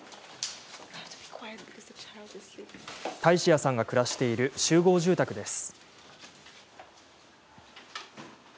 タイシアさんが暮らしている集合住宅です。